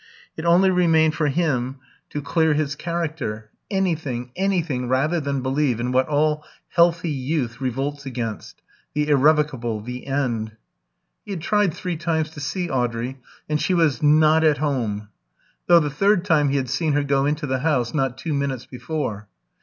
It only remained for him to clear his character. Anything, anything rather than believe in what all healthy youth revolts against the irrevocable, the end. He had tried three times to see Audrey, and she was "not at home"; though the third time he had seen her go into the house not two minutes before.